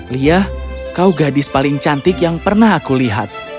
lia kau gadis paling cantik yang pernah aku lihat